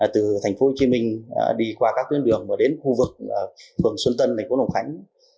từ tp hcm đi qua các tuyến đường và đến khu vực phường xuân tân thành phố đồng khánh